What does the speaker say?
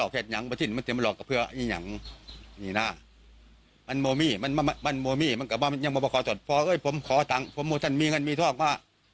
ขอตังค์ผมไม่มีเงินมีเทาะมา